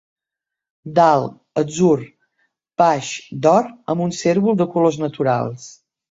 Dalt, atzur; baix, d'or, amb un cérvol de colors naturals.